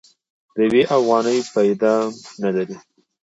د يوې اوغانۍ پيدام نه لري.